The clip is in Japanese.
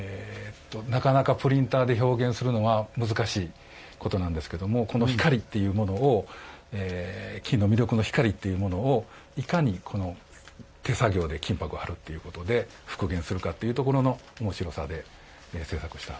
なかなかプリンターで表現するのは難しいことなんですけどもこの光っていうものを金の魅力の光っていうものをいかに手作業で金箔を貼るっていうことで復元するかっていうところの面白さで制作したものです。